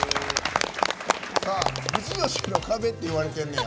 「藤吉の壁」って言われてんねや。